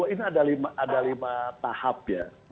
ini ada lima tahap